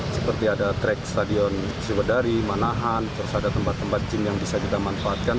seperti ada track stadion siwadari manahan terus ada tempat tempat gym yang bisa kita manfaatkan